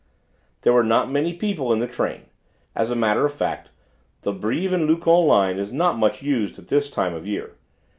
There were not many people in the train. As a matter of fact the Brives and Luchon line is not much used at this time of year.